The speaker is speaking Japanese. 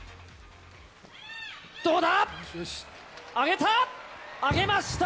どうだ？